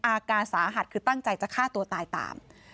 อาการสาหัสคือตั้งใจจะฆ่าตัวตายตาม